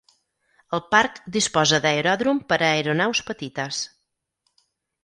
El parc disposa d'aeròdrom per a aeronaus petites.